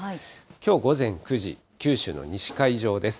きょう午前９時、九州の西海上です。